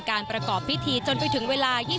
ประกอบพิธีจนไปถึงเวลา